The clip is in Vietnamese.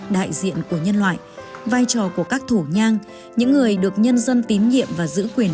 đại diện của nhân loại vai trò của các thủ nhang những người được nhân dân tín nhiệm và giữ quyền